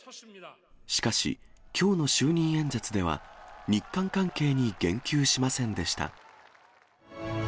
しかし、きょうの就任演説では、日韓関係に言及しませんでした。